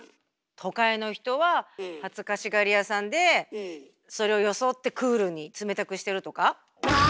都会の人は恥ずかしがり屋さんでそれを装ってクールに冷たくしてるとか？